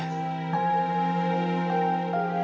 nanti berkabar lagi ya